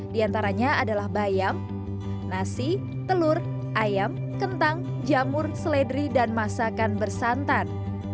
di antaranya adalah bayam nasi telur ayam kentang jamur seledri dan masakan bersantan